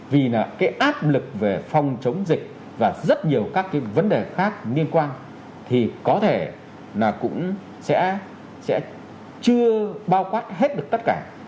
vì cái áp lực về phòng chống dịch và rất nhiều các vấn đề khác liên quan thì có thể cũng sẽ chưa bao quát hết được tất cả